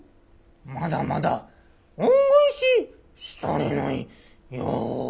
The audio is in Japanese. まだまだ恩返しし足りないよ。